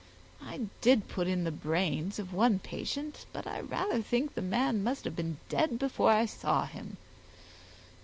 I did put in the brains of one patient, but I rather think the man must have been dead before I saw him.